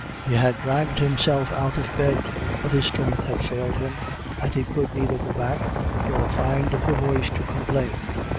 He had dragged himself out of bed, but his strength had failed him, and he could neither go back nor find the voice to complain.